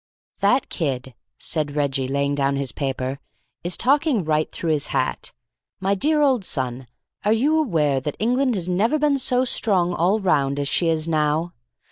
"That kid," said Reggie, laying down his paper, "is talking right through his hat. My dear old son, are you aware that England has never been so strong all round as she is now?